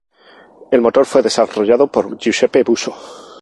El motor fue desarrollado por Giuseppe Busso.